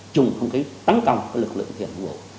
chung không khí tấn công lực lượng thiện vụ